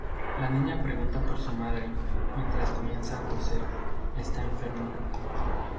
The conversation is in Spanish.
La niña pregunta por su madre, mientras comienza a toser; está enferma.